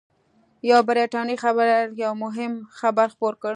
یوه بریټانوي خبریال یو مهم خبر خپور کړ